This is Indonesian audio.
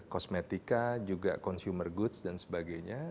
kosmetika juga consumer goods dan sebagainya